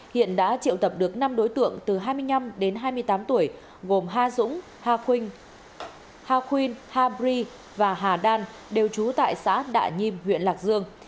hiện đã triệu tập được năm đối tượng từ hai mươi năm đến hai mươi tám tuổi gồm ha dũng ha quynh ha bri và hà đan đều trú tại xã đạ nhiêm huyện lạc dương